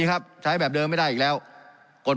การปรับปรุงทางพื้นฐานสนามบิน